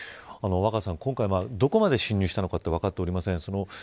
今回どこまで侵入したのか分かっておりません。